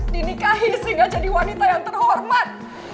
dinikahi sehingga jadi wanita yang terhormat